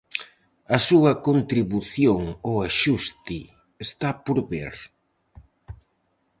A súa contribución ao axuste está por ver.